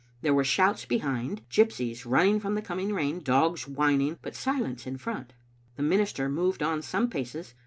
There were shouts behind, gypsies running from the coming rain, dogs whining, but silence in front. The minister moved on some paces.